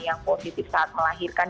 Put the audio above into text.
yang positif saat melahirkan